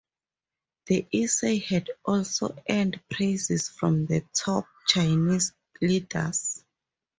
The essay had also earned praises from the top Chinese leaders.